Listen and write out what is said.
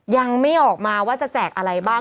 ยังไม่ออกมาว่าจะแจกอะไรบ้าง